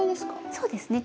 そうですね。